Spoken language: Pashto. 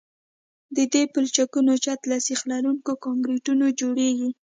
د دې پلچکونو چت له سیخ لرونکي کانکریټو جوړیږي